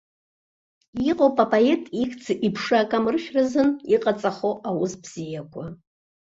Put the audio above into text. Иҟоуп апоет ихьӡ-иԥша акамыршәразын иҟаҵахо аус бзиақәа.